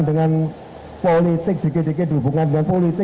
dengan politik dihubungkan dengan politik